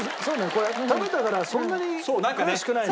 これ食べたからそんなに悔しくないね。